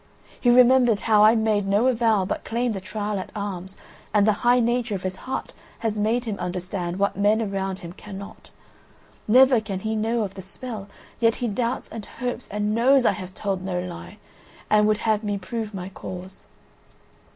He remembered how I made no avowal, but claimed a trial at arms, and the high nature of his heart has made him understand what men around him cannot; never can he know of the spell, yet he doubts and hopes and knows I have told no lie, and would have me prove my cause.